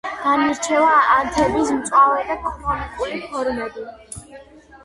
განირჩევა ანთების მწვავე და ქრონიკული ფორმები.